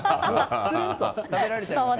つるんと食べられちゃいます。